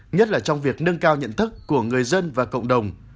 nhất là trong việc nâng cao nhận thức của người dân và cộng đồng